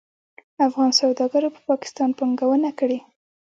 افغان سوداګرو په پاکستان پانګونه کړې.